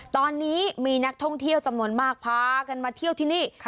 ตอนนี้มีนักท่องเที่ยวจำนวนมากพากันมาเที่ยวที่นี่